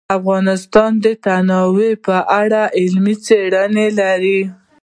افغانستان د تنوع په اړه علمي څېړنې لري.